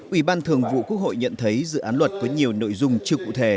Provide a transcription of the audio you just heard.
ủy ban thường vụ quốc hội nhận thấy dự án luật có nhiều nội dung chưa cụ thể